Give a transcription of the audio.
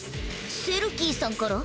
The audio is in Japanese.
セルキーさんから？